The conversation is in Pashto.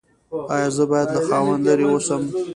ایا زه باید له خاوند لرې اوسم؟